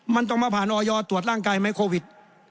มันต้องมาผ่านออยตรวจร่างกายไหมโควิด